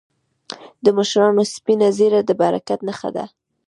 د مشرانو سپینه ږیره د برکت نښه ده.